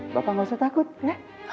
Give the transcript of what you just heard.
bapak nggak usah takut ya